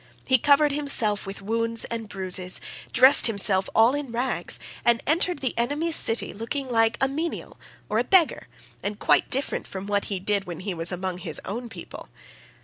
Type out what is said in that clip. He covered himself with wounds and bruises, dressed himself all in rags, and entered the enemy's city looking like a menial or a beggar, and quite different from what he did when he was among his own people.